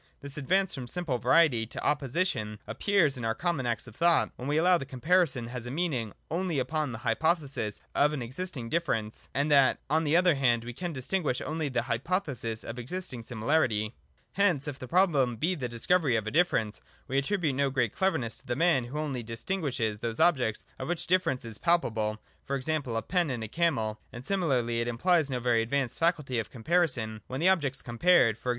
This advance from simple variety to opposition ap pears in our common acts of thought, when we allow that comparison has a meaning only upon the hypothesis of an existing difference, and that on the other hand we can distinguish only on the hypothesis of existing similarity. ii8, iig.J SPECIFIC DIFFERENCE. 219 Hence, if the problem be the discovery of a difference, we attribute no great cleverness to the man who only distin guishes those objects, of which the difference is palpable, e.g. a pen and a camel : and similarly, it implies no very advanced faculty of comparison, when the objects compared, e.g.